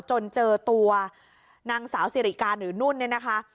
จนเจอตัวนางสาวสิริกาหรือนุ่นเนี่ยนะคะ